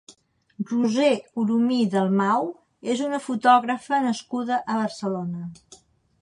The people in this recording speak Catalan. Roser Oromí Dalmau és una fotògrafa nascuda a Barcelona.